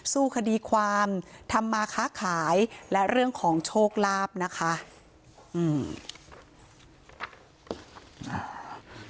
สู้คดีความทำมาค้าขายและเรื่องของโชคลาภนะคะอืม